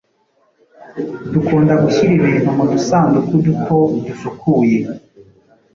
dukunda gushyira ibintu mu dusanduku duto dusukuye